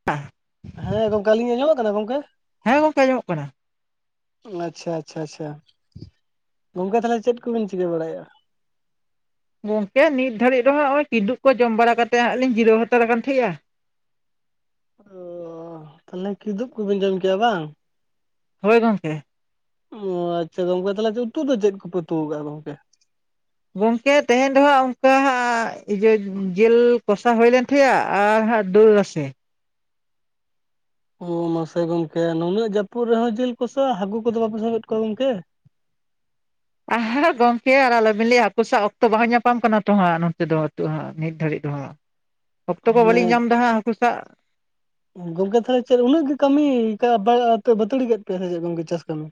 [unintelligible] ᱦᱮᱸ ᱜᱚᱝᱠᱮ ᱟᱞᱤᱧᱟᱜ ᱟᱸᱡᱚᱢᱚᱜ ᱠᱟᱱᱟ ᱜᱚᱝᱠᱮ? ᱦᱮᱸ ᱜᱚᱝᱠᱮ ᱟᱸᱡᱚᱢᱚᱜ ᱠᱟᱱᱟ ᱟᱪᱪᱷᱟ ᱟᱪᱪᱷᱟ ᱟᱪᱪᱷᱟ ᱜᱚᱝᱠᱮ ᱛᱟᱦᱞᱮ ᱪᱮᱫ ᱠᱚᱵᱤᱱ ᱪᱤᱠᱟᱹ ᱵᱟᱲᱟᱭᱮᱜᱼᱟ ᱜᱚᱝᱠᱮ ᱱᱤᱛ ᱫᱷᱟᱹᱲᱤᱡ ᱨᱮᱦᱚᱸ ᱱᱚᱜᱼᱚᱭ ᱠᱤᱫᱩᱜ ᱠᱚ ᱡᱚᱢ ᱵᱟᱲᱟ ᱠᱟᱛᱮ ᱦᱟᱸᱜ ᱞᱤᱧ ᱡᱤᱨᱟᱹᱣ ᱦᱟᱛᱟᱲᱟᱠᱟᱱ ᱛᱟᱦᱮᱸᱜᱼᱟ ᱚᱻ ᱛᱟᱦᱞᱮ ᱠᱤᱫᱩᱵ ᱠᱚᱵᱤᱱ ᱡᱚᱢ ᱠᱮᱜᱼᱟ ᱵᱟᱝ ᱦᱳᱭ ᱜᱚᱝᱠᱮ ᱚᱻ ᱟᱪᱪᱷᱟ ᱜᱚᱝᱠᱮ ᱛᱟᱦᱞᱮ ᱩᱛᱩ ᱫᱚ ᱪᱮᱫ ᱠᱚᱯᱮ ᱩᱛᱩ ᱠᱟᱜᱼᱟ ᱜᱚᱝᱠᱮ ᱜᱚᱝᱠᱮ ᱛᱮᱦᱮᱧ ᱫᱚᱦᱟᱸᱜ ᱚᱝᱠᱟ ᱦᱟᱸ ᱤᱭᱟᱹ ᱡᱤᱞ ᱠᱚᱥᱟ ᱦᱩᱭ ᱞᱮᱱᱟ ᱴᱷᱤᱠ ᱜᱮᱭᱟ ᱟᱨ ᱦᱟᱸᱜ ᱫᱟᱹᱞ ᱨᱟᱥᱮ ᱚ ᱢᱟᱥᱮ ᱜᱚᱝᱠᱮ ᱱᱩᱱᱟᱹᱜ ᱡᱟᱹᱯᱩᱫ ᱨᱮᱦᱚᱸ ᱡᱤᱞ ᱠᱚᱥᱟ ᱦᱟᱠᱩ ᱠᱚᱫᱚ ᱵᱟᱯᱮ ᱥᱟᱵᱮᱫ ᱠᱚᱣᱟ ᱜᱚᱝᱠᱮ ᱟᱨ ᱜᱚᱝᱠᱮ ᱟᱨ ᱟᱞᱚᱵᱤᱱ ᱞᱟᱹᱭᱟ ᱦᱟᱹᱠᱩ ᱥᱟᱵ ᱚᱠᱛᱚ ᱵᱟᱝ ᱧᱟᱯᱟᱢ ᱠᱟᱱᱟ ᱛᱚ ᱦᱟᱸᱜ ᱱᱚᱛᱮ ᱫᱚ ᱟᱹᱛᱩᱜ ᱦᱟᱸᱜ ᱱᱤᱛ ᱫᱷᱟᱹᱵᱤᱡ ᱫᱚᱦᱟᱸᱜ ᱚᱠᱛᱚ ᱠᱚ ᱵᱟᱹᱞᱤᱧ ᱢᱟᱱᱮ ᱧᱟᱢᱫᱟ ᱦᱟᱸᱜ ᱦᱟᱹᱠᱩ ᱥᱟᱵ ᱜᱚᱝᱠᱮ ᱛᱟᱦᱞᱮ ᱪᱮᱫ ᱩᱱᱟᱹᱜ ᱜᱮ ᱠᱟᱹᱢᱤ ᱠᱟ ᱵᱟ ᱵᱟᱹᱛᱟᱹᱲᱤ ᱠᱮᱫ ᱯᱮᱭᱟ ᱥᱮ ᱪᱮᱫ ᱜᱚᱝᱠᱮ ᱪᱟᱥ ᱠᱟᱹᱢᱤ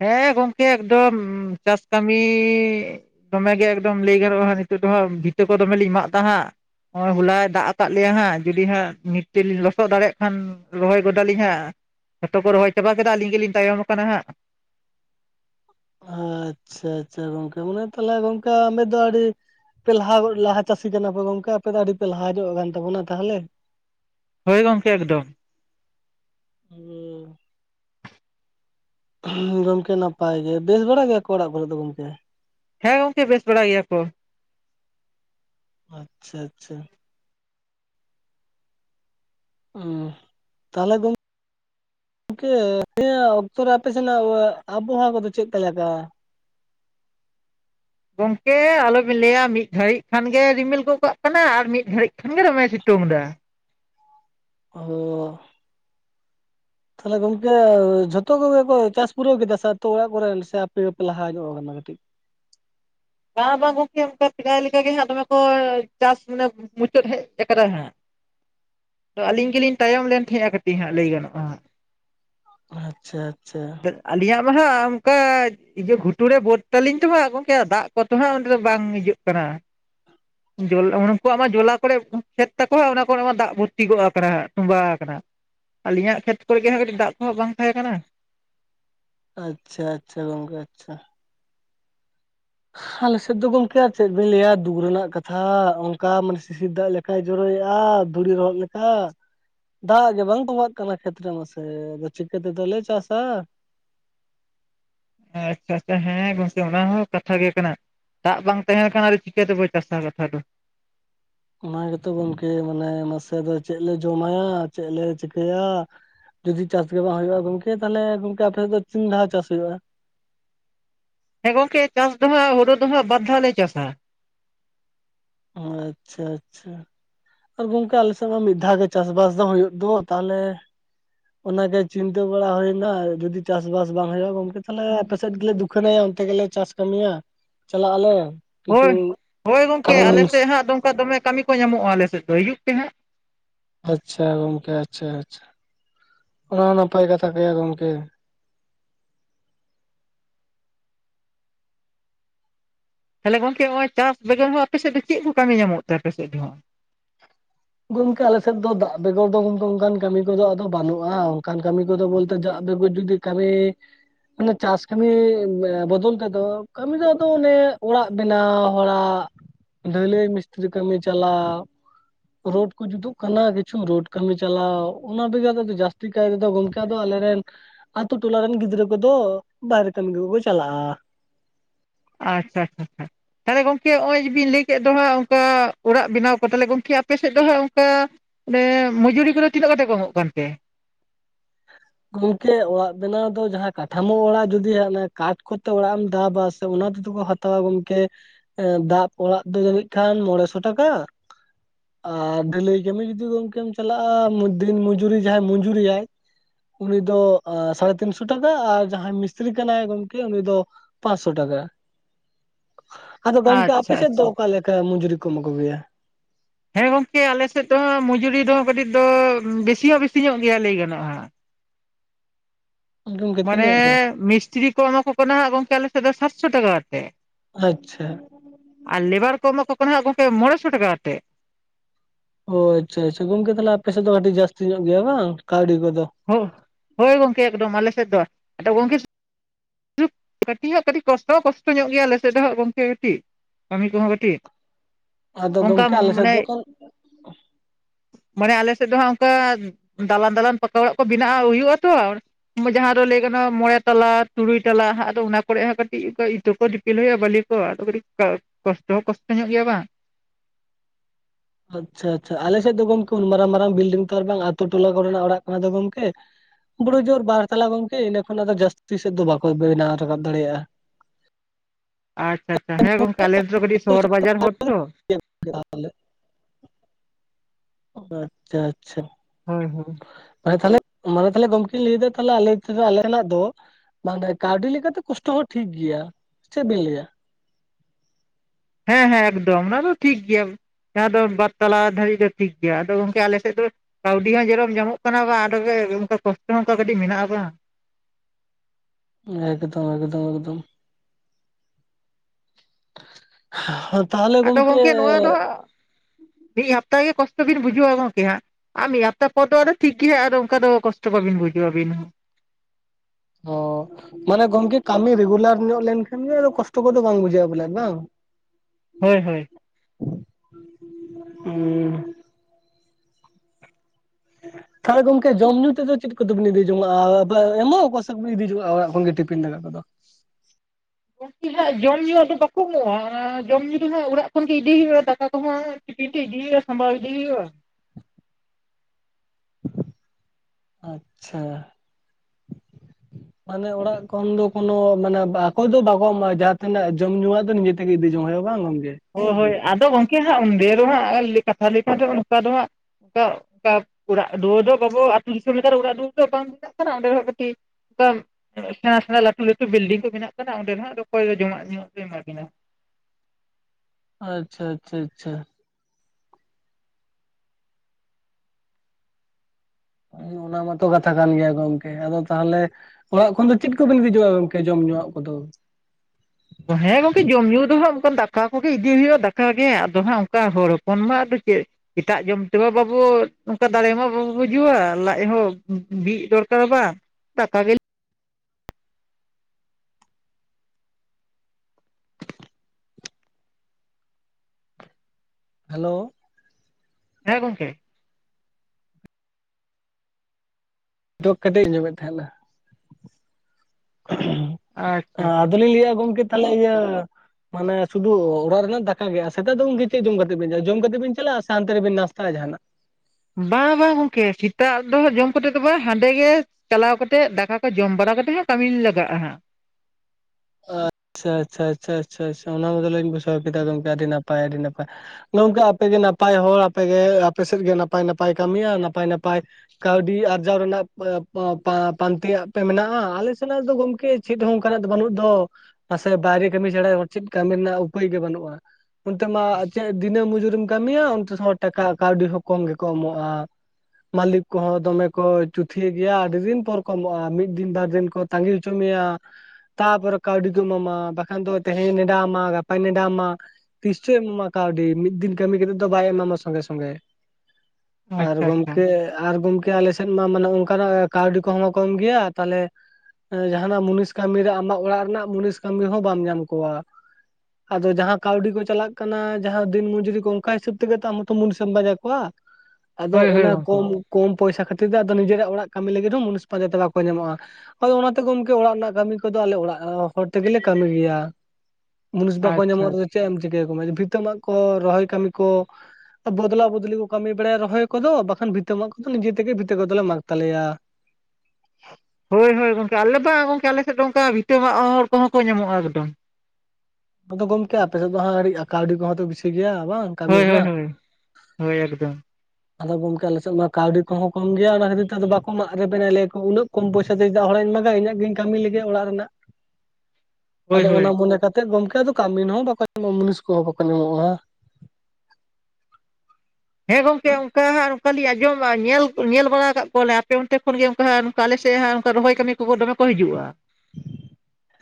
ᱦᱮᱸ ᱜᱚᱝᱠᱮ ᱮᱠᱫᱚᱢ ᱪᱟᱥ ᱠᱟᱹᱢᱤᱻ ᱫᱚᱢᱮᱜᱮ ᱮᱠᱫᱚᱢ ᱞᱟᱹᱭ ᱜᱟᱱᱚᱜᱼᱟ ᱦᱟᱸᱜ ᱱᱤᱛᱚᱜ ᱫᱚᱦᱟᱸᱜ ᱵᱤᱛᱟᱹ ᱠᱚ ᱫᱚᱢᱮ ᱞᱤᱧ ᱢᱟᱜ ᱛᱟᱦᱟᱸᱜ ᱱᱚᱜᱼᱚᱭ ᱦᱚᱞᱟᱭ ᱫᱟᱜ ᱟᱠᱟᱜ ᱞᱮᱭᱟ ᱦᱟᱸᱜ ᱡᱩᱫᱤ ᱦᱟᱸᱜ ᱱᱤᱛ ᱛᱮᱞᱤᱧ ᱞᱚᱥᱚᱫ ᱫᱟᱲᱮᱭᱟᱜ ᱠᱷᱟᱱ ᱨᱚᱦᱚᱭ ᱜᱚᱫᱟᱞᱤᱧ ᱦᱟᱸᱜ ᱡᱷᱚᱛᱚ ᱠᱚ ᱨᱚᱦᱚᱭ ᱪᱟᱵᱟ ᱠᱮᱫᱟ ᱟᱞᱤᱧ ᱜᱮᱞᱤᱧ ᱛᱟᱭᱚᱢ ᱠᱟᱱᱟ ᱦᱟᱸᱜ ᱟᱪᱪᱷᱟ ᱟᱪᱪᱷᱟ ᱜᱚᱝᱠᱮ ᱚᱱᱮ ᱛᱟᱦᱞᱮ ᱜᱚᱝᱠᱮ ᱟᱵᱤᱱ ᱫᱚ ᱟᱹᱰᱤ ᱟᱯᱮ ᱞᱟᱦᱟ ᱜᱚᱫ ᱞᱟᱦᱟ ᱪᱟᱥᱤ ᱠᱟᱱᱟᱯᱮ ᱜᱚᱝᱠᱮ ᱟᱯᱮ ᱫᱚ ᱟᱹᱰᱤᱯᱮ ᱞᱟᱦᱟ ᱧᱚᱜ ᱠᱟᱱ ᱛᱟᱵᱚᱱᱟ ᱛᱟᱦᱞᱮ ᱦᱳᱭ ᱜᱚᱝᱠᱮ ᱮᱠᱫᱚᱢ [inaudible] ᱦᱚᱸ [unintelligible] ᱜᱚᱝᱠᱮ ᱱᱟᱯᱟᱭ ᱜᱮ ᱵᱮᱥ ᱵᱟᱲᱟ ᱜᱮᱭᱟ ᱠᱚ ᱚᱲᱟᱜ ᱠᱚᱨᱮ ᱫᱚ ᱜᱚᱝᱠᱮ ᱦᱮᱸ ᱜᱚᱝᱠᱮ ᱵᱮᱥ ᱵᱟᱲᱟ ᱜᱮᱭᱟ ᱠᱚ ᱟᱪᱪᱷᱟ ᱟᱪᱪᱷᱟ ᱚᱸᱻ ᱛᱟᱦᱞᱮ ᱜᱚᱝ ᱠᱮ ᱱᱤᱭᱟᱹ ᱚᱠᱛᱚ ᱨᱮ ᱟᱯᱮ ᱥᱮᱱᱟᱜ ᱟᱵᱽᱦᱟᱣᱟ ᱠᱚᱫᱚ ᱪᱮᱫ ᱞᱮᱠᱟ ᱜᱚᱢᱠᱮ ᱟᱞᱚᱵᱤᱱ ᱞᱟᱹᱭᱟ ᱢᱤᱫ ᱜᱷᱟᱹᱲᱤᱡ ᱠᱷᱟᱱ ᱜᱮ ᱨᱤᱢᱤᱞ ᱜᱚᱜ ᱠᱟᱜ ᱠᱟᱱᱟ ᱟᱨ ᱢᱤᱫ ᱜᱷᱟᱹᱲᱤᱡ ᱠᱷᱟᱱ ᱜᱮ ᱫᱚᱢᱮ ᱥᱤᱛᱩᱝ ᱮᱫᱟ ᱚ [inaudible] ᱛᱟᱦᱞᱮ ᱜᱚᱝᱠᱮ ᱡᱷᱚᱛᱚ ᱠᱚᱜᱮ ᱠᱚ ᱪᱟᱥ ᱯᱩᱨᱟᱹᱣ ᱠᱮᱫᱟ ᱥᱮ ᱟᱹᱛᱳ ᱚᱲᱟᱜ ᱠᱚᱨᱮ ᱥᱮ ᱟᱯᱮ ᱜᱮᱯᱮ ᱞᱟᱦᱟ ᱧᱚᱜᱼᱟ ᱚᱱᱟ ᱠᱟᱹᱴᱤᱡ ᱵᱟᱝ ᱵᱟᱝ ᱜᱚᱝᱠᱮ ᱚᱱᱠᱟ ᱥᱮᱫᱟᱭ ᱞᱮᱠᱟ ᱜᱮ ᱦᱟᱜ ᱫᱚᱢᱮ ᱠᱚ ᱪᱟᱥ ᱢᱟᱱᱮ ᱢᱩᱪᱟᱹᱫ ᱦᱮᱡ ᱠᱟᱱᱟ ᱦᱟᱜ ᱛᱚ ᱟᱹᱞᱤᱧ ᱜᱮᱞᱤᱧ ᱛᱟᱭᱚᱢ ᱞᱮᱱ ᱛᱟᱦᱮᱸᱜᱼᱟ ᱠᱟᱹᱴᱤᱡ ᱦᱟᱸᱜ ᱞᱟᱹᱭ ᱜᱟᱱᱚᱜᱼᱟ ᱦᱟᱸᱜ ᱟᱪᱪᱷᱟ ᱟᱪᱪᱷᱟ ᱟᱹᱞᱤᱧᱟᱜ ᱢᱟ ᱦᱟᱸᱜ ᱚᱱᱠᱟ ᱤᱭᱟᱹ ᱜᱷᱩᱴᱩᱨᱮ ᱵᱟᱹᱛ ᱛᱟᱞᱤᱧ ᱛᱚᱦᱟᱸᱜ ᱜᱚᱢᱠᱮ ᱫᱟᱜ ᱯᱚᱛᱲᱚ ᱦᱟᱸᱜ ᱚᱸᱰᱮ ᱫᱚ ᱵᱟᱝ ᱦᱤᱡᱩᱜ ᱠᱟᱱᱟ ᱡᱚᱞᱟ ᱩᱱᱠᱩ ᱟᱢᱟᱜ ᱡᱚᱞᱟ ᱠᱚᱨᱮ ᱠᱷᱮᱫ ᱛᱟᱠᱚᱣᱟ ᱛᱟᱠᱚ ᱦᱟᱜ ᱚᱱᱟ ᱠᱚᱨᱮ ᱢᱟ ᱫᱟᱜ ᱵᱷᱚᱨᱛᱤ ᱜᱚᱜ ᱟᱠᱟᱱᱟ ᱦᱟᱜ ᱛᱚᱸᱵᱟᱣ ᱟᱠᱟᱱᱟ ᱟᱹᱞᱤᱧᱟᱜ ᱠᱷᱮᱛ ᱠᱚᱨᱮ ᱜᱮᱦᱟᱜ ᱠᱟᱹᱴᱤᱡ ᱫᱟᱜ ᱠᱚᱦᱚᱸ ᱵᱟᱝ ᱛᱟᱦᱮᱸ ᱠᱟᱱᱟ ᱟᱪᱪᱷᱟ ᱟᱪᱪᱷᱟ ᱜᱚᱝᱠᱮ ᱟᱪᱪᱷᱟ ᱟᱞᱮᱥᱮᱫ ᱫᱚ ᱜᱚᱝᱠᱮ ᱪᱮᱫ ᱵᱤᱱ ᱞᱟᱹᱭᱟ ᱫᱩᱠ ᱨᱮᱱᱟᱜ ᱠᱟᱛᱷᱟ ᱚᱝᱠᱟ ᱢᱟᱱᱮ ᱥᱤᱥᱤᱨ ᱫᱟᱜ ᱞᱮᱠᱟ ᱠᱟᱭ ᱡᱚᱨᱚᱭᱮᱜᱼᱟ ᱫᱷᱩᱲᱤ ᱨᱚᱦᱚᱫ ᱞᱮᱠᱟ ᱫᱟᱜ ᱜᱮ ᱵᱟᱝ ᱛᱚᱵᱟᱜ ᱠᱟᱱᱟ ᱠᱷᱮᱛ ᱨᱮ ᱢᱟᱥᱮ ᱟᱫᱚ ᱪᱤᱠᱟᱹ ᱛᱮᱫᱚᱞᱮ ᱪᱟᱥᱟ ᱟᱪᱪᱷᱟ ᱟᱪᱪᱷᱟ [unintelligible] ᱦᱮᱸ ᱜᱚᱝᱠᱮ ᱚᱱᱟ ᱦᱚᱸ ᱠᱟᱛᱷᱟ ᱜᱮ ᱠᱟᱱᱟ ᱫᱟᱜ ᱵᱟᱝ ᱛᱟᱦᱮᱸ ᱠᱷᱟᱱ ᱟᱫᱚ ᱪᱤᱠᱟᱹ ᱛᱮᱵᱚ ᱪᱟᱥᱟ ᱠᱟᱛᱷᱟ ᱫᱚ ᱚᱱᱟ ᱜᱮᱛᱚ ᱜᱚᱝᱠᱮ ᱢᱟᱱᱮ ᱢᱟᱥᱮ ᱫᱚ ᱪᱮᱫ ᱞᱮ ᱡᱚᱢᱟᱭᱟ ᱪᱮᱫ ᱞᱮ ᱪᱤᱠᱟᱹᱭᱟ ᱡᱩᱫᱤ ᱪᱟᱥ ᱜᱮ ᱵᱟᱝ ᱦᱩᱭᱩᱜᱼᱟ ᱜᱚᱝᱠᱮ ᱛᱟᱦᱚᱞᱮ ᱜᱚᱝᱠᱮ ᱟᱯᱮ ᱥᱮᱫ ᱫᱚ ᱛᱤᱱ ᱫᱷᱟᱣ ᱪᱟᱥ ᱦᱩᱭᱩᱜᱼᱟ ᱦᱮᱸ ᱜᱚᱝᱠᱮ ᱪᱟᱥ ᱫᱚ ᱦᱟᱸᱜ ᱦᱳᱲᱩ ᱫᱚᱦᱟᱸᱜ ᱵᱟᱨᱫᱷᱟᱣ ᱞᱮ ᱪᱟᱥᱟ ᱚ ᱟᱪᱪᱷᱟ ᱟᱪᱪᱷᱟ ᱟᱨ ᱜᱚᱝᱠᱮ ᱟᱞᱮᱥᱮᱫ ᱢᱟ ᱢᱤᱫ ᱫᱷᱟᱣ ᱜᱮ ᱪᱟᱥ ᱵᱟᱥ ᱫᱚ ᱦᱳᱭᱳᱜ ᱫᱚ ᱛᱟᱦᱚᱞᱮ ᱚᱱᱟᱜᱮ ᱪᱤᱱᱛᱟᱹ ᱵᱟᱲᱟ ᱦᱩᱭᱮᱱᱟ ᱡᱩᱫᱤ ᱪᱟᱥ ᱵᱟᱥ ᱵᱟᱝ ᱦᱩᱭᱩᱜᱼᱟ ᱜᱚᱢᱠᱮ ᱛᱟᱦᱚᱞᱮ ᱟᱯᱮ ᱥᱮᱫ ᱜᱮᱞᱮ ᱫᱩᱠ ᱠᱷᱟᱱᱮᱹᱭᱟ ᱚᱱᱛᱮ ᱜᱮᱞᱮ ᱪᱟᱥ ᱠᱟᱹᱢᱤᱭᱟ ᱪᱟᱞᱟᱜ ᱟᱞᱮ ᱠᱤᱪᱷᱩ ᱦᱳᱭ ᱦᱳᱭ ᱜᱚᱝᱠᱮ ᱠᱟᱹᱢᱤ ᱢᱩᱱᱤᱥ ᱟᱞᱮᱥᱮᱫ ᱦᱟᱸᱜ ᱦᱩᱭ ᱜᱚᱝᱠᱮ ᱠᱟᱹᱢᱤ ᱠᱚ ᱧᱟᱢᱚᱜᱼᱟ ᱟᱞᱮᱥᱮᱫ ᱫᱚ ᱦᱤᱡᱩᱜ ᱯᱮ ᱦᱟᱸᱜ ᱟᱪᱪᱷᱟ ᱜᱚᱢᱠᱮ ᱟᱪᱪᱷᱟ ᱟᱪᱪᱷᱟ ᱚᱱᱟ ᱦᱚᱸ ᱱᱟᱯᱟᱭ ᱠᱟᱛᱷᱟ ᱜᱮᱭᱟ ᱜᱚᱝᱠᱮ ᱛᱟᱦᱚᱞᱮ ᱜᱚᱝᱠᱮ ᱚᱭ ᱪᱟᱥ ᱵᱮᱜᱚᱨ ᱦᱚᱸ ᱟᱯᱮ ᱥᱮᱫ ᱫᱚ ᱪᱮᱫ ᱠᱚ ᱠᱟᱹᱢᱤ ᱧᱟᱢᱚᱜ ᱛᱮ ᱟᱯᱮ ᱥᱮᱫ ᱦᱚᱸ ᱜᱚᱝᱠᱮ ᱟᱞᱮᱥᱮᱫ ᱫᱚ ᱫᱟᱜ ᱵᱮᱜᱚᱨ ᱫᱚ ᱜᱚᱝᱠᱮ ᱚᱱᱠᱟᱱ ᱜᱚᱝᱠᱮ ᱠᱟᱹᱢᱤ ᱠᱚᱫᱚ ᱟᱫᱚ ᱵᱟᱹᱱᱩᱜᱼᱟ ᱚᱱᱠᱟᱱ ᱠᱟᱹᱢᱤ ᱠᱚᱫᱚ ᱵᱚᱞᱛᱮ ᱫᱟᱜ ᱵᱮᱜᱚᱨ ᱡᱩᱫᱤ ᱠᱟᱹᱢᱤ [unintelligible] ᱚᱱᱮ ᱪᱟᱥ ᱠᱟᱹᱢᱤ ᱵᱚᱫᱚᱞ ᱛᱮᱫᱚ ᱠᱟᱹᱢᱤ ᱫᱚ ᱟᱫᱚ ᱚᱱᱮ ᱚᱲᱟᱜ ᱵᱮᱱᱟᱣ ᱦᱚᱲᱟᱜ ᱰᱷᱟᱹᱞᱟᱹᱭ ᱢᱤᱥᱛᱨᱤ ᱠᱟᱹᱢᱤ ᱪᱟᱞᱟᱣ ᱨᱳᱰ ᱠᱚ ᱡᱩᱫᱩᱜ ᱠᱟᱱᱟ ᱠᱤᱪᱷᱩ ᱨᱳᱰ ᱠᱟᱹᱢᱤ ᱪᱟᱞᱟᱣ ᱚᱱᱟ ᱵᱮᱜᱟᱨ ᱡᱟᱹᱥᱛᱤ ᱠᱟᱭ ᱛᱮᱫ ᱜᱚᱢᱠᱮ ᱟ ᱟᱞᱮᱨᱮᱱ ᱟᱛᱳ ᱴᱚᱞᱟ ᱨᱮᱱ ᱜᱤᱫᱽᱨᱟᱹ ᱠᱚᱫᱚ ᱵᱟᱦᱨᱮ ᱠᱟᱹᱢᱤ ᱜᱮ ᱠᱚ ᱪᱟᱞᱟᱜᱼᱟ ᱟᱪᱪᱷᱟ ᱟᱪᱪᱷᱟ ᱪᱟ ᱛᱟᱦᱚᱞᱮ ᱜᱚᱢᱠᱮ ᱱᱚᱜᱼᱚᱭ ᱡᱮ ᱵᱤᱱ ᱞᱟᱹᱭ ᱠᱮᱫ ᱫᱚ ᱦᱟᱸᱜ ᱚᱱᱠᱟ ᱚᱲᱟᱜ ᱵᱮᱱᱟᱣ ᱠᱚ ᱛᱟᱦᱚᱞᱮ ᱜᱚᱢᱠᱮ ᱟᱯ ᱟᱯᱮ ᱥᱮᱫ ᱫᱚ ᱦᱟᱜ ᱚᱱᱠᱟ ᱢᱟᱱᱮ ᱢᱚᱡᱩᱨᱤ ᱠᱚᱫᱚ ᱛᱤᱱᱟᱹᱜ ᱠᱟᱛᱮ ᱠᱚ ᱮᱢᱚᱜ ᱠᱟᱱ ᱛᱮ ᱜᱚᱝᱠᱮ ᱚᱲᱟᱜ ᱵᱮᱱᱟᱣ ᱫᱚ ᱡᱟᱦᱟᱸ ᱠᱟᱴᱷᱟᱢᱳ ᱚᱲᱟᱜ ᱡᱩᱫᱤ ᱦᱟᱜ ᱚᱱᱟ ᱠᱟᱴ ᱠᱚᱛᱮ ᱚᱲᱟᱜ ᱮᱢ ᱫᱟᱵᱟ ᱥᱮ ᱚᱱᱟ ᱛᱮᱫ ᱠᱚ ᱦᱟᱛ ᱛᱟᱣᱟ ᱜᱚᱢᱠᱮ ᱫᱟᱜ ᱚᱲᱟᱜ ᱫᱚ ᱡᱟᱹᱱᱤᱡ ᱠᱷᱟᱱ ᱢᱚᱬᱮ ᱥᱚ ᱴᱟᱠᱟ ᱟᱨ ᱰᱷᱟᱹᱞᱟᱹᱭ ᱠᱟᱹᱢᱤ ᱡᱩᱫᱤ ᱜᱚᱢᱠᱮᱢ ᱪᱟᱞᱟᱜᱼᱟ ᱫᱤᱱ ᱢᱚᱡᱩᱨᱤ ᱡᱟᱦᱟᱸᱭ ᱢᱚᱡᱩᱨᱤᱭᱟᱭ ᱩᱱᱤ ᱫᱚ ᱥᱟᱲᱮ ᱛᱤᱱᱥᱚ ᱴᱟᱠᱟ ᱟᱨ ᱡᱟᱦᱟᱸᱭ ᱢᱤᱥᱛᱨᱤ ᱠᱟᱱᱟᱭ ᱜᱚᱢᱠᱮ ᱩᱱᱤ ᱫᱚ ᱯᱟᱸᱥᱚ ᱴᱟᱠᱟ [inaudible] [unintelligible] ᱟᱫᱚ ᱜᱚᱝᱠᱮ ᱟᱯᱮ ᱥᱮᱫ ᱫᱚ ᱟᱪᱪᱷᱟ ᱚᱠᱟ ᱞᱮᱠᱟ ᱢᱩᱡᱩᱨᱤ ᱠᱚ ᱮᱢᱟ ᱠᱚ ᱜᱮᱭᱟ ᱦᱮᱸ ᱜᱚᱝᱠᱮ ᱟᱞᱮ ᱥᱮᱫ ᱫᱚᱦᱟᱸᱜ ᱢᱚᱡᱩᱨᱤ ᱫᱚ ᱠᱟᱹᱴᱤᱡ ᱫᱚ ᱵᱮᱥᱤ ᱦᱚᱸ ᱵᱮᱥᱤ ᱧᱚᱜ ᱜᱮᱭᱟ ᱞᱟᱹᱭ ᱜᱟᱱᱚᱜᱼᱟ ᱜᱚᱢᱠᱮ ᱢᱟᱱᱮ ᱛᱤᱱᱟᱹᱜ ᱫᱚ ᱢᱤᱥᱛᱨᱤ ᱠᱚ ᱮᱢᱟ ᱠᱚ ᱠᱟᱱᱟ ᱦᱟᱜ ᱜᱚᱢᱠᱮ ᱟᱞᱮ ᱥᱮᱫ ᱫᱚ ᱥᱟᱛᱥᱚ ᱴᱟᱠᱟ ᱠᱟᱛᱮᱫ ᱟᱪᱪᱷᱟ ᱟᱨ ᱞᱮᱵᱟᱨ ᱠᱚᱢ ᱮᱢ ᱠᱚ ᱠᱟᱱᱟ ᱦᱟᱸᱜ ᱜᱚᱢᱠᱮ ᱢᱚᱬᱮ ᱥᱚ ᱴᱟᱠᱟ ᱠᱟ ᱠᱟᱛᱮᱫ ᱚ ᱟᱪᱪᱷᱟ ᱟᱪᱪᱷᱟ ᱜᱚᱝᱠᱮ ᱛᱟᱦᱚᱞᱮ ᱟᱯᱮ ᱮᱥᱮᱫ ᱫᱚ ᱠᱟᱹᱴᱤᱡ ᱡᱟᱹᱥᱛᱤ ᱧᱚᱜ ᱜᱮᱭᱟ ᱵᱟᱝ ᱠᱟᱹᱣᱰᱤ ᱠᱚᱫᱚ ᱦ ᱦᱳᱭ ᱜᱚᱝᱠᱮ ᱮᱠᱫᱚᱢ ᱟᱞᱮ ᱥᱮᱫ ᱫᱚ ᱟᱫᱚ ᱜᱚᱢᱠᱮ [inaudible] ᱠᱟᱹᱴᱤᱡᱟᱸᱜ ᱠᱟᱹᱴᱤᱡ ᱠᱚᱥᱴᱚ ᱦᱚᱸ ᱠᱚᱥᱴᱚ ᱧᱚᱜ ᱜᱮᱭᱟ ᱟᱞᱮ ᱥᱮᱫ ᱫᱚᱦᱟᱸᱜ ᱜᱚᱝᱠᱮ ᱠᱟᱹᱴᱤᱡ ᱠᱟᱹᱢᱤ ᱠᱚᱦᱚᱸ ᱠᱟᱹᱴᱤᱡ ᱟᱫᱚ ᱚᱱᱠᱟ ᱜᱚᱢᱠᱮ ᱟᱞᱮ ᱥᱮᱫ ᱢᱟᱱᱮ ᱫᱚ ᱠᱷᱚᱱ ᱢᱟᱱᱮ ᱟᱞᱮ ᱥᱮᱫ ᱫᱚ ᱦᱟᱸᱜ ᱚᱱᱠᱟ ᱫᱟᱞᱟᱱ ᱫᱟᱞᱟᱱ ᱯᱟᱠᱟ ᱚᱲᱟᱜ ᱠᱚ ᱵᱮᱱᱟᱜ ᱦᱩᱭᱩᱜᱼᱟᱛᱚ ᱠᱤᱢᱵᱟ ᱡᱟᱦᱟᱸ ᱫᱚ ᱞᱟᱹᱭ ᱜᱟᱱᱟᱜᱼᱟ ᱢᱚᱬᱮ ᱛᱟᱞᱟ ᱛᱩᱨᱩᱭ ᱛᱟᱞᱟ ᱦᱟᱸᱜ ᱟᱫᱚ ᱚᱱᱟ ᱠᱚᱨᱮ ᱦᱚᱸ ᱠᱟᱹᱴᱤᱡ ᱤᱛᱟᱹ ᱠᱚ ᱫᱤᱯᱤᱞ ᱦᱩᱭᱩᱜᱼᱟ ᱵᱟᱹᱞᱤ ᱛᱚ ᱟᱫᱚ ᱠᱟᱹᱴᱤᱡ ᱠᱚ ᱠᱚᱥᱴᱚ ᱦᱚᱸ ᱠᱚᱥᱴᱚ ᱧᱚᱜ ᱜᱮᱭᱟ ᱵᱟᱝ ᱟᱪᱪᱷᱟ ᱟᱪᱪᱷᱟ ᱟᱞᱮᱥᱮᱫ ᱫᱚ ᱜᱚᱝᱠᱮ ᱩᱱ ᱢᱟᱨᱟᱝ ᱢᱟᱨᱟᱝ ᱵᱤᱞᱰᱤᱝ ᱛᱚ ᱟᱨ ᱵᱟᱝ ᱟᱛᱳ ᱴᱚᱞᱟ ᱠᱚᱨᱮᱱᱟᱜ ᱚᱲᱟᱜ ᱠᱟᱱᱟᱫᱚ ᱜᱚᱝᱠᱮ ᱦᱩᱲᱳ ᱡᱳᱨ ᱵᱟᱨ ᱛᱟᱞᱟ ᱜᱚᱝᱠᱮ ᱤᱱᱟ ᱠᱷᱚᱱ ᱟᱫᱚ ᱡᱟᱹᱥᱛᱤ ᱥᱮᱫ ᱫᱚ ᱵᱟᱠᱚ ᱵᱮᱱᱟᱣ ᱨᱟᱠᱟᱵ ᱫᱟᱲᱮᱭᱟᱜᱼᱟ ᱟᱪᱪᱷᱟ ᱟᱪᱪᱷᱟ ᱦᱮᱸ ᱜᱚᱝᱠᱮ ᱟᱞᱮ ᱛᱚ ᱠᱟᱹᱴᱤᱡ ᱥᱚᱦᱚᱨ ᱵᱟᱡᱟᱨ ᱦᱚᱲ ᱛᱚ ᱮ [unintelligible] ᱟᱪᱪᱷᱟ ᱟᱪᱪᱷᱟ ᱦᱳᱭ ᱦᱳᱭ ᱢᱟᱱᱮ ᱛᱟᱦᱚᱞᱮ ᱢᱟᱱᱮ ᱛᱟᱦᱚᱠᱮ ᱦᱮ ᱜᱚᱝᱠᱮᱧ ᱞᱟᱹᱭᱫᱟ ᱛᱮ ᱟᱞᱮ ᱟᱞᱮᱱ ᱴᱷᱤᱡᱟᱜ ᱫᱚ ᱢᱟᱱᱮ ᱠᱟᱹᱣᱰᱤ ᱞᱮᱠᱟᱛᱮ ᱠᱚᱥᱴᱚ ᱦᱚᱸ ᱴᱷᱤᱠ ᱜᱮᱭᱟ ᱪᱮᱫ ᱵᱤᱱ ᱞᱟᱹᱭᱟ ᱦᱮᱸ ᱦᱮᱸ ᱮᱠᱫᱚᱢ ᱚᱱᱟ ᱫᱚ ᱴᱷᱤᱠ ᱜᱮᱭᱟ ᱡᱟᱦᱟᱸ ᱫᱚ ᱵᱟᱨ ᱛᱟᱞᱟ ᱫᱷᱟᱹᱨᱤᱡ ᱫᱚ ᱴᱷᱤᱠ ᱜᱮᱭᱟ ᱟᱫᱚ ᱜᱚᱝᱠᱮ ᱟᱞᱮ ᱥᱮᱫ ᱫᱚ ᱠᱟᱹᱣᱰᱤ ᱦᱚᱸ ᱡᱮᱨᱚᱠᱚᱢ ᱧᱟᱢᱚᱜ ᱠᱟᱱᱟ ᱵᱟᱝ ᱛᱚᱵᱮ ᱚᱱᱠᱟ ᱠᱚᱥᱴᱚ ᱦᱚᱸ ᱚᱱᱠᱟ ᱠᱟᱹᱴᱤᱡ ᱢᱮᱱᱟᱜᱼᱟ ᱵᱟᱝ [unintelligible] ᱮᱠᱫᱚᱢ ᱮᱠᱫᱚᱢ ᱮᱠᱫᱚᱢ [inaudible] ᱛᱟᱦᱚᱞᱮ [unintelligible] ᱟᱫᱚ ᱜᱚᱝᱠᱮ ᱱᱚᱣᱟ ᱫᱚ ᱢᱤᱫ ᱦᱟᱯᱛᱟ ᱜᱮ ᱠᱚᱥᱴᱚ ᱵᱤᱱ ᱵᱩᱡᱷᱟᱹᱣᱟ ᱜᱚᱝᱠᱮ ᱦᱟᱸᱜ ᱟᱨ ᱢᱤᱫ ᱦᱟᱯᱛᱟ ᱯᱚᱨ ᱫᱚ ᱴᱷᱤᱠ ᱜᱮᱭᱟ ᱟᱫᱚ ᱚᱱᱠᱟ ᱫᱚ ᱠᱚᱥᱴᱚ ᱵᱟᱹᱵᱤᱱ ᱵᱩᱡᱟᱣᱼ ᱟ ᱟᱵᱤᱱ ᱦᱚᱸ ᱦᱚᱸ ᱢᱟᱱᱮ ᱜᱚᱝᱠᱮ ᱠᱟᱹᱢᱤ ᱨᱮᱜᱩᱞᱟᱨ ᱧᱚᱜ ᱞᱮᱱᱠᱷᱟᱱ ᱜᱮ ᱠᱚᱥᱴᱚ ᱠᱚᱫᱚ ᱵᱟᱝ ᱵᱩᱡᱷᱟᱹᱜᱼᱟ ᱵᱚᱞᱮ ᱵᱟᱝ ᱦᱳᱭ ᱦᱳᱭ ᱦᱩᱸ [unintelligible] ᱛᱟᱦᱚᱞᱮ ᱜᱚᱝᱠᱮ ᱡᱚᱢᱼᱧᱩ ᱛᱮᱫᱚ ᱪᱮᱫ ᱠᱚᱫᱚ ᱵᱤᱱ ᱤᱫᱤ ᱡᱚᱝᱣᱟᱜᱼᱟ, ᱟ ᱮᱢᱚᱜ ᱚᱠᱳ ᱥᱮ ᱵᱮᱱ ᱤᱫᱤ ᱡᱚᱣᱟᱜᱼᱟ ᱚᱲᱟᱜ ᱠᱷᱚᱱᱜ ᱜᱮ ᱴᱤᱯᱷᱤᱱ ᱫᱟᱠᱟ ᱠᱚᱫᱚ? ᱩᱱᱠᱤ ᱦᱟᱸᱜ ᱡᱚᱢ ᱧᱩᱣᱟᱜ ᱫᱚ ᱵᱟᱠᱚ ᱮᱢᱚᱜᱼᱟ, ᱡᱚᱢ-ᱧᱩ ᱫᱚ ᱦᱟᱸᱜ ᱚᱲᱟᱜ ᱠᱷᱚᱱ ᱜᱮ ᱤᱫᱤ ᱦᱩᱭᱩᱜᱼᱟ ᱫᱟᱠᱟ ᱠᱚ ᱦᱟᱜ ᱴᱤᱯᱤᱱ ᱛᱮ ᱤᱫᱤ ᱦᱳᱭᱳᱜᱼᱟ ᱥᱟᱢᱵᱟᱣ ᱤᱫᱤ ᱦᱳᱭᱳᱜᱼᱟ᱾ ᱟᱪᱪᱷᱟ ᱢᱟᱱᱮ ᱚᱲᱟᱜ ᱠᱷᱚᱱ ᱫᱚ ᱠᱚᱱᱚ ᱢᱟᱱᱮ ᱟᱠᱚ ᱫᱚ ᱵᱟᱠᱚ ᱮᱢᱚᱜᱟᱜᱼᱟ ᱡᱟᱦᱟᱸ ᱛᱤᱱᱟᱜ ᱡᱚᱢ ᱧᱩᱣᱟᱜ ᱫᱚ ᱱᱤᱡᱮ ᱛᱮᱜᱮ ᱤᱫᱤ ᱡᱚᱝ ᱦᱳᱭᱳᱜᱼᱟ ᱵᱟᱝ ᱜᱚᱝᱢᱮ? ᱦᱳᱭ ᱦᱳᱭ ᱟᱫᱚ ᱜᱚᱝᱠᱮ ᱦᱟᱸᱜ ᱚᱸᱰᱮ ᱫᱚ ᱦᱟᱸᱜ ᱞᱟᱹ ᱠᱟᱛᱷᱟ ᱞᱮᱠᱟᱛᱮ ᱚᱱᱠᱟ ᱫᱚ ᱦᱟᱸᱜ [inaudible] ᱚᱲᱟᱜ ᱫᱩᱣᱟᱹᱨ ᱫᱤᱥᱚᱢ ᱚᱲᱟᱜ ᱫᱩᱣᱟᱹᱨ ᱫᱚ ᱵᱟᱝ ᱵᱮᱱᱟᱜ ᱠᱟᱱᱟ ᱚᱸᱰᱮ ᱦᱚᱸ ᱠᱟᱹᱴᱤᱡ ᱚᱱᱠᱟ ᱥᱮᱸᱬᱟ ᱥᱮᱸᱬᱟ ᱞᱟᱹᱴᱩ ᱞᱟᱹᱴᱩ ᱵᱤᱞᱰᱤᱝ ᱠᱚ ᱵᱮᱱᱟᱜ ᱠᱟᱱᱟ ᱚᱸᱰᱮ ᱱᱟᱦᱟᱜ ᱚᱠᱚᱭ ᱫᱚ ᱡᱚᱢᱟᱜ ᱧᱩᱣᱟᱜ ᱠᱚ ᱮᱢᱟ ᱵᱤᱱᱟ᱾ ᱟᱪᱪᱷᱟ ᱟᱪᱪᱷᱟ ᱟᱪᱪᱷᱟ ᱚᱱᱟ ᱢᱟᱛᱚ ᱠᱟᱛᱷᱟ ᱠᱟᱱ ᱜᱮᱭᱟ ᱜᱚᱝᱠᱮ ᱟᱫᱚ ᱛᱟᱦᱚᱞᱮ ᱚᱲᱟᱜ ᱠᱷᱚᱱ ᱫᱚ ᱪᱮᱫ ᱠᱚᱵᱮᱱ ᱤᱫᱤᱡᱚᱝᱟ ᱜᱚᱝᱠᱮ ᱡᱚᱢ ᱧᱩᱣᱟᱜ ᱠᱚᱫᱚ? ᱦᱮᱸ ᱜᱚᱝᱠᱮ ᱡᱚᱢᱼᱧᱩ ᱫᱚ ᱦᱟᱸᱜ ᱚᱱᱠᱟ ᱫᱟᱠᱟ ᱠᱚᱜᱮ ᱤᱫᱤ ᱦᱩᱭᱩᱜᱼᱟ ᱫᱟᱠᱟ ᱜᱮ ᱟᱫᱚ ᱦᱟᱸᱜ ᱚᱱᱠᱟ ᱦᱚᱲ ᱦᱚᱯᱚᱱ ᱢᱟ ᱟᱫᱚ ᱪᱮᱜ ᱮᱴᱟᱜ ᱡᱚᱢ ᱛᱮᱢᱟ ᱵᱟᱵᱚ ᱚᱱᱠᱟ ᱫᱟᱲᱮ ᱢᱟ ᱵᱟᱵᱚ ᱵᱩᱡᱷᱣᱟ ᱞᱟᱡ ᱦᱚᱸ ᱵᱤᱡ ᱫᱚᱨᱠᱟᱨᱟ ᱵᱟ [unintelligible] ᱦᱮᱞᱳ ᱦᱮᱸ ᱜᱚᱝᱠᱮ ᱫᱚ ᱠᱟᱹᱴᱤᱡ ᱟᱸᱡᱚᱢᱮᱜ ᱛᱟᱦᱮᱱᱟ᱾ ᱟᱪᱪᱷᱟ ᱟᱪᱪᱷᱟ ᱟᱫᱚᱞᱤᱧ ᱞᱟᱹᱭᱟ ᱜᱚᱝᱠᱮ ᱛᱟᱦᱚᱞᱮ ᱤᱭᱟᱹ ᱢᱟᱱᱮ ᱥᱩᱫᱷᱩ ᱚᱨᱟᱜ ᱨᱮᱱᱟᱜ ᱫᱟᱠᱟ ᱜᱮ, ᱥᱮᱛᱟᱜ ᱫᱚ ᱜᱚᱝᱠᱮ ᱪᱮᱫ ᱡᱚᱢ ᱠᱟᱛᱮ ᱵᱤᱱ ᱪᱟ ᱡᱚᱢ ᱠᱟᱛᱮ ᱵᱤᱱ ᱪᱟᱞᱟᱜᱼᱟ ᱥᱮ ᱦᱟᱱᱛᱮ ᱨᱮᱵᱤᱱ ᱱᱟᱥᱛᱟᱼᱟ ᱡᱟᱦᱟᱱᱟᱜ? ᱵᱟᱝ ᱵᱟᱝ ᱜᱚᱝᱠᱮ ᱥᱮᱛᱟᱜ ᱫᱚ ᱡᱚᱢ ᱠᱟᱛᱮ ᱫᱚ ᱵᱟᱝ ᱦᱟᱸᱰᱮ ᱜᱮ ᱪᱟᱞᱟᱣ ᱠᱟᱛᱮᱜ ᱫᱟᱠᱟ ᱠᱚ ᱡᱚᱢ ᱵᱟᱲᱟ ᱠᱟᱛᱮᱜ ᱦᱚᱸᱜ ᱠᱟᱹᱢᱤ ᱞᱟᱜᱟᱜᱼᱟ ᱦᱟᱸᱜ᱾ ᱟᱪᱪᱷᱟ ᱟᱪᱪᱷᱟ ᱟᱪᱷᱟ ᱟᱪᱷᱟ ᱟᱪᱷᱟ ᱚᱱᱟ ᱢᱚᱛᱚᱞᱤᱧ ᱵᱩᱡᱷᱟᱹᱣ ᱠᱮᱫᱟ ᱜᱚᱝᱠᱮ ᱟᱹᱰᱤ ᱱᱟᱯᱟᱭ ᱟᱹᱰᱤ ᱱᱟᱯᱟᱭ᱾ ᱱᱚᱝᱠᱟ ᱟᱯᱮᱜᱮ ᱱᱟᱯᱟᱭ ᱦᱚᱲ ᱟᱯᱮᱜᱮ ᱟᱯᱮᱥᱮᱫ ᱜᱮ ᱱᱟᱯᱟᱭ ᱱᱟᱯᱟᱭ ᱠᱟᱹᱢᱤᱭᱟ ᱱᱟᱯᱟᱭ ᱱᱟᱯᱟᱭ ᱠᱟᱹᱣᱰᱤ ᱟᱨᱡᱟᱣ ᱨᱮᱱᱟᱜ ᱯᱟ-ᱯᱟᱱᱛᱮᱭᱟᱜ ᱯᱮ ᱢᱮᱱᱟᱜᱼᱟ ᱟᱞᱮ ᱥᱮᱱᱟᱜ ᱫᱚ ᱜᱚᱝᱠᱮ ᱪᱮᱫ ᱦᱚᱸ ᱚᱱᱠᱟᱱᱟᱜ ᱫᱚ ᱵᱟᱹᱱᱩᱜ ᱫᱚ ᱢᱟᱥᱮ ᱵᱟᱭᱨᱮ ᱠᱟᱹᱢᱤ ᱪᱷᱟᱲᱟ ᱪᱮᱫ ᱠᱟᱹᱢᱤ ᱨᱮᱱᱟᱜ ᱩᱯᱟᱹᱭ ᱜᱮ ᱵᱟᱹᱱᱩᱜᱼᱟ᱾ ᱚᱱᱛᱮ ᱢᱟ ᱪᱮᱫ ᱫᱤᱱᱟᱹᱢ ᱢᱚᱡᱩᱨᱮᱢ ᱠᱟᱹᱢᱤᱭᱟ ᱚᱱᱛᱮ ᱦᱚᱸ ᱴᱟᱠᱟ ᱠᱟᱹᱣᱰᱤ ᱦᱚᱸ ᱠᱚᱢ ᱜᱮᱠᱚ ᱚᱢᱚᱜ-ᱟ᱾ ᱢᱟᱹᱞᱤᱠ ᱠᱚᱦᱚᱸ ᱫᱚᱢᱮ ᱠᱚ ᱪᱩᱛᱷᱤᱭᱟᱹ ᱜᱮᱭᱟ ᱟᱹᱰᱤ ᱫᱤᱱ ᱯᱚᱨ ᱠᱚᱢᱚᱜᱼᱟ ᱾ ᱢᱤᱫ ᱫᱤᱱ ᱵᱟᱨ ᱫᱤᱱ ᱠᱚ ᱛᱟᱺᱜᱤ ᱦᱚᱪᱚ ᱢᱮᱭᱟ᱾ ᱛᱟᱯᱚᱨᱮ ᱠᱟᱹᱣᱰᱤ ᱠᱚ ᱮᱢᱟᱢᱟ ᱵᱟᱠᱷᱟᱱ ᱫᱚ ᱛᱮᱦᱮᱱ ᱱᱮᱰᱟ ᱟᱢᱟ ᱜᱟᱯᱟ ᱱᱮᱰᱟ ᱟᱢᱟ ᱛᱤᱥ ᱪᱚᱭ ᱮᱢᱟᱢᱟ ᱠᱟᱹᱣᱰᱤ ᱢᱤᱫ ᱫᱤᱱ ᱠᱟᱹᱢᱤ ᱠᱟᱛᱮᱫ ᱫᱚ ᱵᱟᱭ ᱮᱢᱟᱢᱟ ᱥᱚᱝᱜᱮ ᱥᱚᱝᱜᱮ᱾ ᱟᱨ ᱟᱪᱪᱷᱟ ᱟᱪᱪᱷᱟ ᱜᱚᱝᱠᱮ ᱟᱨ ᱜᱚᱝᱠᱮ ᱠᱮ ᱟᱞᱮ ᱥᱮᱫ ᱢᱟ ᱢᱟᱱᱮ ᱚᱱᱠᱟᱱᱟᱜ ᱠᱟᱹᱣᱰᱤ ᱠᱚᱦᱚᱸ ᱠᱚᱢ ᱜᱮᱭᱟ ᱛᱟᱦᱚᱞᱮ ᱡᱟᱦᱟᱱᱟᱜ ᱢᱩᱱᱤᱥ ᱠᱟᱹᱢᱤᱨᱮ ᱟᱢ ᱢᱟᱜ ᱚᱲᱟᱜ ᱨᱮᱱᱟᱜ ᱢᱩᱱᱤᱥ ᱠᱟᱹᱢᱤ ᱦᱚᱸ ᱵᱟᱢ ᱧᱟᱢ ᱠᱚᱣᱟ᱾ ᱟᱫᱚ ᱡᱟᱦᱟᱸ ᱠᱟᱹᱣᱰᱤ ᱠᱚ ᱪᱟᱞᱟᱜ ᱠᱟᱱᱟ, ᱡᱟᱦᱟᱸ ᱫᱤᱱ ᱢᱚᱡᱩᱨᱤ ᱠᱚ ᱚᱱᱠᱟ ᱦᱤᱥᱟᱹᱵ ᱛᱮᱜᱮ ᱛᱚ ᱟᱢ ᱦᱚᱸᱛᱚ ᱢᱩᱱᱥᱟᱹᱢ ᱵᱟᱡᱟ ᱠᱚᱣᱟ᱾ ᱟᱫᱚ ᱦᱳᱭ ᱦᱳᱭ ᱚᱱᱟ ᱜᱚᱝᱠᱮ ᱠᱚᱢ ᱠᱚᱢ ᱯᱚᱭᱥᱟ ᱠᱷᱟᱹᱛᱤᱨ ᱛᱮ, ᱟᱫᱚ ᱱᱤᱡᱮᱨᱟᱜ ᱚᱲᱟᱜ ᱠᱟᱹᱢᱤ ᱞᱟᱹᱜᱤᱫ ᱦᱚᱸ ᱢᱩᱱᱩᱥ ᱯᱟᱸᱡᱟᱛᱮ ᱵᱟᱠᱚ ᱧᱟᱢᱚᱜ-ᱟ᱾ ᱟᱫᱚ ᱚᱱᱟᱛᱮ ᱜᱚᱝᱠᱮ ᱚᱲᱟᱜ ᱨᱮᱱᱟᱜ ᱠᱟᱹᱢᱤ ᱠᱚᱫᱚ ᱟᱞᱮ ᱚᱲᱟᱜ ᱦᱚᱲ ᱛᱮᱜᱮ ᱠᱟᱹᱢᱤ ᱜᱮᱭᱟ᱾ ᱢᱩᱱᱤᱥ ᱵᱟᱠᱚ ᱟᱪᱪᱷᱟ ᱧᱟᱢᱚᱜ ᱨᱮ ᱪᱮᱜ ᱮᱢ ᱪᱤᱠᱟᱹᱭᱟ ᱠᱚ ᱢᱮ ᱵᱷᱤᱛᱟᱹ ᱢᱟᱜ ᱠᱚ ᱨᱚᱦᱚᱭ ᱠᱟᱹᱢᱤ ᱠᱚ ᱵᱚᱫᱞᱟ ᱵᱚᱫᱽᱞᱤ ᱠᱚ ᱠᱟᱹᱢᱤ ᱵᱟᱲᱟᱭᱟ ᱨᱚᱦᱚᱭ ᱠᱚᱫᱚ ᱵᱟᱠᱷᱟᱱ ᱵᱷᱤᱛᱟᱹ ᱢᱟᱜᱽ ᱠᱚᱫᱚ ᱱᱤᱡᱮ ᱛᱮᱜᱮ ᱵᱷᱤᱛᱟᱹ ᱠᱚᱫᱚᱚᱞᱮ ᱢᱟᱜᱽ ᱛᱟᱞᱮᱭᱟ᱾ ᱦᱳᱭ ᱦᱳᱭ ᱜᱚᱝᱠᱮ ᱟᱞᱮ ᱵᱟᱝ ᱜᱚᱢᱠᱮ ᱟᱞᱮᱥᱮᱫ ᱫᱚ ᱚᱱᱠᱟ ᱵᱷᱤᱛᱟᱹ ᱢᱟᱜᱽ ᱦᱚᱲ ᱠᱚᱦᱚᱸ ᱠᱚ ᱧᱟᱢᱚᱜᱼᱟ ᱮᱠᱫᱚᱢ᱾ ᱟᱫᱚ ᱜᱚᱝᱠᱮ ᱟᱯᱮᱥᱮᱫ ᱫᱚ ᱦᱟᱜ ᱠᱟᱹᱣᱰᱤ ᱠᱚᱦᱚᱸ ᱛᱚ ᱵᱤᱫᱤ ᱜᱮᱭᱟ ᱵᱟᱝ ᱠᱟᱹᱢᱤ ᱦᱳᱭ ᱦᱳᱭ ᱨᱮᱱᱟᱜ? ᱦᱳᱭ ᱦᱳᱭ ᱮᱠᱫᱚᱢ᱾ ᱟᱫᱚ ᱜᱚᱝᱠᱮ ᱟᱞᱮᱥᱮᱫ ᱢᱟ ᱠᱟᱹᱣᱰᱤ ᱠᱚᱦᱚᱸ ᱠᱚᱢ ᱜᱮᱭᱟ ᱚᱱᱟ ᱠᱷᱟᱹᱛᱤᱨ ᱛᱮ ᱟᱫᱚ ᱵᱟᱠᱚ ᱢᱟᱜ ᱨᱮᱵᱮᱱᱟ ᱞᱮᱭᱟᱠᱚ ᱩᱱᱟᱹᱜ ᱠᱚᱢ ᱯᱚᱭᱥᱟ ᱛᱮ ᱪᱮᱫᱟᱜ ᱦᱚᱲᱟᱜ ᱤᱧ ᱢᱟᱜᱟ ᱤᱧᱟᱹᱜ ᱜᱮᱧ ᱠᱟᱹᱢᱤ ᱞᱮᱜᱮ ᱚᱲᱟᱜ ᱨᱮᱱᱟᱜ᱾ ᱦᱳᱭ ᱟᱫᱚ ᱦᱳᱭ ᱚᱱᱟ ᱢᱚᱱᱮ ᱠᱟᱛᱮᱫ ᱜᱚᱝᱠᱮ ᱟᱫᱚ ᱠᱟᱹᱢᱤ ᱦᱚᱸ ᱵᱟᱠᱚ ᱧᱟᱢᱚᱜᱼᱟ ᱢᱩᱱᱤᱥ ᱠᱚᱦᱚᱸ ᱵᱟᱠᱚ ᱧᱟᱢᱚᱜᱼᱟ᱾ ᱦᱮᱸ ᱜᱚᱝᱠᱮ ᱚᱝᱠᱟ ᱟᱨᱚ ᱠᱟᱞᱮ ᱟᱡᱚᱢ ᱧᱮᱞ ᱧᱮᱞ ᱵᱟᱲᱟ ᱟᱠᱟᱫ ᱠᱚᱣᱟ ᱞᱤᱧ ᱟᱯᱮ ᱚᱱᱛᱮ ᱠᱷᱚᱱᱟᱜ ᱜᱮ ᱚᱱᱠᱟ ᱟᱞᱮ ᱥᱮᱫ ᱦᱟᱜ ᱚᱱᱠᱟ ᱨᱚᱦᱚᱭ ᱠᱟᱹᱢᱤ ᱩᱱᱠᱩ ᱠᱚ ᱫᱚᱢᱮ ᱠᱚ ᱦᱤᱡᱩᱜ-ᱟ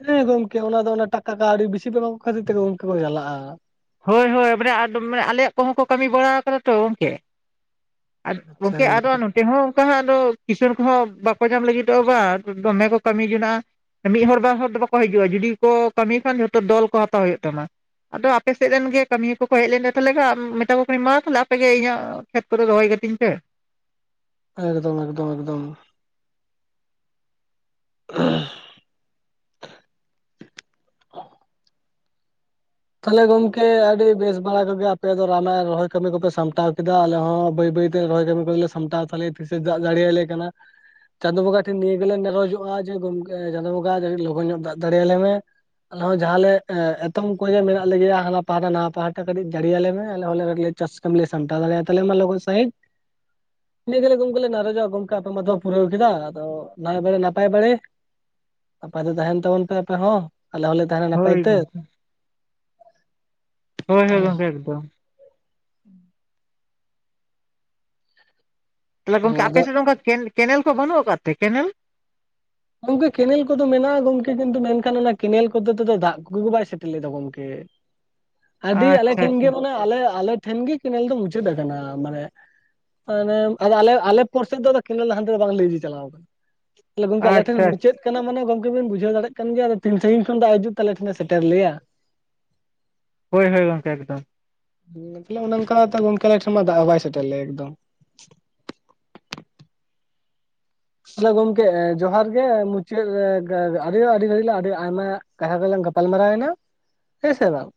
ᱦᱮᱸ ᱜᱚᱢᱠᱮ ᱚᱱᱟ ᱫᱚ ᱚᱱᱟ ᱴᱟᱠᱟ ᱠᱚ ᱟᱹᱰᱤ ᱵᱮᱥᱤ ᱵᱮ ᱮᱢᱟᱠᱚ ᱠᱷᱟᱹᱛᱤᱨ ᱛᱮ ᱜᱚᱢᱠᱮ ᱠᱚ ᱪᱟᱞᱟᱜ-ᱟ ᱾ ᱦᱳᱭ ᱦᱳᱭ ᱢᱟᱱᱮ ᱢᱟᱱᱮ ᱟᱞᱮᱭᱟᱜ ᱠᱚᱦᱚᱸ ᱠᱚ ᱠᱟᱹᱢᱤ ᱵᱟᱲᱟ ᱠᱟᱫᱟ ᱛᱚ ᱜᱚᱢᱠᱮ ᱟᱫᱚ ᱜᱚᱝᱠᱮ ᱱᱚᱛᱮ ᱦᱚ ᱚᱠᱟ ᱦᱚ ᱟᱫᱚ ᱠᱤᱥᱟᱹᱬ ᱠᱚᱦᱚᱸ ᱵᱟᱠᱚ ᱧᱟᱢ ᱞᱟᱹᱜᱤᱫᱚᱜ-ᱟ ᱵᱟ ᱫᱚᱢᱮ ᱠᱚ ᱠᱟᱹᱢᱤ ᱠᱮᱫᱟ -ᱟ ᱾ ᱢᱤᱫ ᱦᱚᱲ ᱵᱟᱨ ᱦᱚᱲ ᱫᱚ ᱵᱟᱠᱚ ᱦᱤᱡᱩᱜ-ᱟ ᱡᱩᱫᱤ ᱠᱚ ᱠᱟᱹᱢᱤ ᱠᱷᱟᱱ ᱡᱷᱚᱛᱚ ᱫᱚᱞ ᱠᱚ ᱦᱟᱛᱟᱣ ᱦᱩᱭᱩᱜ ᱛᱟᱢᱟ ᱟᱫᱚ ᱟᱯᱮᱥᱮᱫ ᱨᱮᱱ ᱜᱮ ᱠᱟᱹᱢᱤᱭᱚ ᱠᱚᱠᱚ ᱦᱮᱡ ᱞᱮᱱ ᱛᱟᱦᱚᱞᱮ ᱟᱢ ᱢᱮᱛᱟ ᱠᱚ ᱠᱟᱹᱱᱤᱧ ᱢᱟ ᱛᱟᱦᱚᱞᱮ ᱟᱯᱮᱜᱮ ᱤᱧᱟᱹᱜ ᱠᱷᱮᱛ ᱠᱚᱨᱮᱫᱚ ᱨᱚᱦᱚᱭ ᱠᱟᱹᱛᱤᱧ ᱯᱮ ᱮᱠᱫᱚᱢ ᱮᱠᱫᱚᱢ ᱮᱠᱫᱚᱢ [inaudible] ᱛᱟᱦᱚᱞᱮ ᱜᱚᱢᱠᱮ ᱟᱹᱰᱤ ᱵᱮᱥ ᱵᱟᱲᱟ ᱠᱚᱜᱮ ᱟᱯᱮ ᱫᱚ ᱨᱟᱢᱟᱭᱚᱱ ᱨᱚᱦᱚᱭ ᱠᱟᱹᱢᱤ ᱠᱚᱯᱮ ᱥᱟᱢᱴᱟᱣ ᱠᱮᱫᱟ ᱟᱞᱮ ᱦᱚᱸ ᱵᱟᱹᱭ ᱵᱟᱹᱭᱛᱮ ᱛᱮ ᱨᱚᱦᱚᱭ ᱠᱟᱹᱢᱤ ᱠᱚᱞᱮ ᱥᱟᱢᱴᱟᱣ ᱛᱟᱞᱮ ᱛᱤᱥ ᱮ ᱫᱟᱜ ᱡᱟᱹᱲᱤ ᱟᱞᱮ ᱠᱟᱱᱟ ᱾ ᱪᱟᱸᱫᱳ ᱵᱚᱸᱜᱟ ᱴᱷᱮᱱ ᱱᱤᱭᱟᱹ ᱜᱮᱞᱮ ᱱᱮᱨᱚᱡᱚᱜ-ᱟ ᱡᱮ ᱜᱚᱢᱠᱮ ᱪᱟᱸᱫᱳ ᱵᱚᱸᱜᱟ ᱞᱚᱜᱚᱱ ᱧᱚᱜ ᱫᱟᱜ ᱡᱟᱹᱲᱤ ᱟᱞᱮ ᱢᱮ ᱦᱳᱭ ᱡᱟᱦᱟ ᱞᱮ ᱮ ᱮᱛᱚᱢ ᱚᱠᱚᱭ ᱡᱮ ᱢᱮᱱᱟᱜ ᱞᱮᱜᱮᱭᱟ ᱦᱟᱱᱟ ᱯᱟᱦᱴᱟ ᱱᱟᱣᱟ ᱯᱟᱦᱴᱟ ᱠᱟᱹᱴᱤᱡ ᱡᱟᱹᱲᱤᱭᱟᱞᱮ ᱢᱮ ᱠᱟᱴᱤᱡ ᱪᱟᱥ ᱠᱟᱹᱢᱤ ᱞᱮ ᱥᱟᱢᱴᱟᱣ ᱫᱟᱲᱮᱭᱟ ᱛᱟᱞᱮ ᱢᱟ ᱞᱚᱜᱚᱱ ᱥᱟᱺᱦᱤᱡ [unintelligible] ᱤᱱᱟᱹ ᱜᱚᱢᱠᱮ ᱱᱟᱨᱚᱡᱚᱜ-ᱟ ᱜᱚᱢᱠᱮ ᱟᱯᱮ ᱢᱟ ᱯᱩᱨᱟᱹᱣ ᱠᱮᱫᱟ ᱱᱟᱭ ᱵᱟᱲᱮ ᱱᱟᱯᱟᱭ ᱵᱟᱲᱮ ᱱᱟᱯᱟᱭ ᱛᱮ ᱛᱟᱦᱮᱱ ᱛᱟᱵᱚᱱ ᱯᱮ ᱟᱯᱮ ᱦᱚᱸ ᱟᱞᱮ ᱦᱚᱸᱞᱮ ᱛᱟᱦᱮᱱᱟ ᱱᱟᱯᱟᱭ ᱦᱳᱭ ᱛᱮ ᱜᱚᱝᱠᱮ ᱦᱳᱭ ᱦᱳᱭ ᱜᱚᱝᱠᱮ ᱮᱠᱫᱚᱢ ᱛᱟᱦᱚᱞᱮ ᱜᱚᱝᱠᱮ ᱟᱫᱚ ᱟᱯᱮᱥᱮᱫ ᱫᱚ ᱚᱱᱠᱟ ᱠᱮ-ᱠᱮᱱᱮᱞ ᱠᱚ ᱵᱟᱹᱱᱩᱜ ᱟᱠᱟᱫ ᱛᱮ ᱠᱮᱱᱮᱞ ᱜᱚᱝᱠᱮ ᱠᱮᱱᱮᱞ ᱠᱚᱫᱚ ᱢᱮᱱᱟᱜ-ᱟ ᱜᱚᱢᱠᱮ ᱠᱤᱱᱛᱩ ᱢᱮᱱᱠᱷᱟᱱ ᱚᱱᱟ ᱠᱮᱱᱮᱞ ᱠᱚᱫᱚ ᱛᱮᱫᱚ ᱫᱟᱜ ᱠᱚᱜᱮ ᱠᱚ ᱵᱟᱭ ᱥᱮᱴᱮᱨ ᱞᱮᱫᱟ ᱜᱚᱝᱠᱮ ᱟᱹᱰᱤ ᱟᱞᱮ ᱟᱪᱪᱷᱟ ᱴᱷᱮᱱ ᱟᱪᱪᱷᱟ ᱜᱮ ᱢᱟᱱᱮ ᱟᱞᱮ ᱴᱷᱮᱱ ᱜᱮ ᱠᱮᱱᱮᱞ ᱫᱚ ᱢᱩᱪᱟᱹᱫ ᱟᱠᱟᱱᱟ ᱢᱟᱱᱮ ᱢᱟᱱᱮ ᱟᱞᱮ ᱟᱞᱮ ᱯᱟᱨᱥᱮ ᱫᱚ ᱠᱮᱱᱮᱞ ᱦᱟᱱᱛᱮ ᱵᱟᱝ ᱞᱤᱡᱤ ᱪᱟᱞᱟᱣ ᱠᱟᱱᱟ ᱛᱟᱦᱞᱮ ᱜᱚᱝᱠᱮ ᱟᱞᱮ ᱟᱪᱪᱷᱟ ᱟᱪᱪᱷᱟ ᱪᱮᱫ ᱠᱟᱱᱟ ᱢᱟᱱᱮ ᱜᱚᱝᱠᱮ ᱵᱤᱱ ᱵᱩᱡᱷᱟᱹᱣ ᱫᱟᱲᱮᱜ ᱠᱟᱱ ᱜᱮᱭᱟ ᱟᱫᱚ ᱛᱤᱱ ᱥᱟᱹᱜᱤᱧ ᱠᱷᱚᱱ ᱫᱟᱜ ᱦᱤᱡᱩᱜ ᱛᱟᱞᱮ ᱟᱞᱮ ᱴᱷᱮᱱ ᱥᱮᱴᱮᱨ ᱞᱮᱭᱟ ᱦᱳᱭ ᱦᱳᱭ ᱜᱚᱝᱠᱮ ᱮᱠᱫᱚᱢ ᱢᱚᱛᱞᱚᱵ ᱱᱚᱠᱟ ᱛᱚ ᱜᱚᱢᱠᱮ ᱟᱞᱮ ᱴᱷᱮᱱ ᱢᱟ ᱫᱟᱜ ᱦᱚ ᱵᱟᱭ ᱥᱮᱴᱮᱨ ᱞᱮᱭᱟ ᱮᱠᱫᱚᱢ ᱛᱟᱞᱮ ᱜᱚᱝᱠᱮ ᱡᱚᱦᱟᱨ ᱜᱮ ᱢᱩᱪᱟᱹᱫ ᱟᱹᱰᱤ ᱟᱹᱰᱤ ᱜᱷᱟᱹᱲᱤ ᱟᱹᱰᱤ ᱟᱭᱢᱟ ᱛᱟᱦᱚᱞᱮ ᱞᱟᱝ ᱜᱟᱯᱟᱞ ᱢᱟᱨᱟᱣᱱᱟ ᱦᱮ ᱥᱮ ᱵᱟᱝ?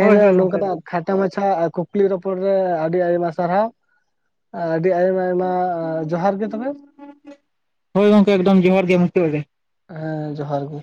ᱦᱳᱭ ᱦᱳᱭ ᱟᱜ ᱜᱚᱝᱠᱮ ᱱᱚᱝᱠᱟ ᱱᱟᱜ ᱮᱠᱫᱚᱢ ᱠᱷᱟᱴᱟ ᱢᱟᱪᱷᱟ ᱟᱨ ᱠᱩᱠᱞᱤ ᱨᱚᱯᱚᱲ ᱨᱮ ᱟᱹᱰᱤ ᱟᱭᱢᱟ ᱥᱟᱨᱦᱟᱣ ᱾ ᱟᱹᱰᱤ ᱟᱭᱢᱟ ᱟᱭᱢᱟ ᱡᱚᱦᱟᱨ ᱜᱮ ᱛᱚ ᱵᱮ ᱦᱳᱭ ᱜᱚᱝᱠᱮ ᱮᱠᱫᱚᱢ ᱡᱚᱦᱟᱨ ᱜᱮ ᱢᱩᱪᱟᱹᱫ ᱨᱮ ᱦᱮᱸ ᱡᱚᱦᱟᱨ ᱜᱮ